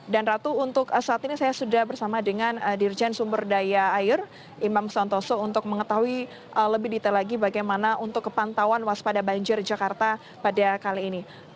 dan ratu untuk saat ini saya sudah bersama dengan dirjen sumber daya air imam santoso untuk mengetahui lebih detail lagi bagaimana untuk kepantauan waspada banjir jakarta pada kali ini